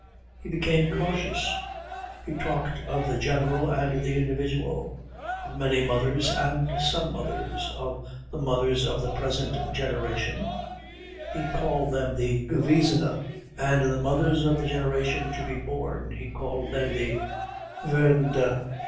He became cautious. He talked of the general and the individual. Of many mothers and some mothers. Of the mothers of the present generation he called them the Gewesene and the mothers of the generation to be born he called them the Werdende.